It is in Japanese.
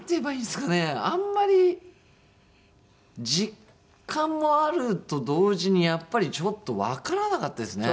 あんまり実感もあると同時にやっぱりちょっとわからなかったですね。